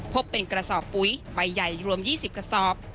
พบเป็นกระสอบปุ๋ยใบใหญ่รวม๒๐กระสอบ